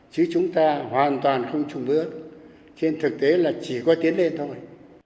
chứ chúng ta hoàn toàn không trùng bước trên thực tế là chỉ có tiến lên thôi